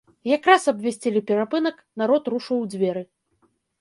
Якраз абвясцілі перапынак, народ рушыў у дзверы.